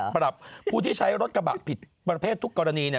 ปรับผู้ที่ใช้รถกระบะผิดประเภททุกกรณีเนี่ย